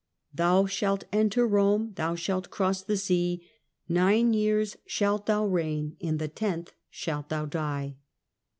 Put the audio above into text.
Thou shalt enter Rome ; Thou shalt cross the sea, Nine years shalt thou reign, In the tenth shalt thou die.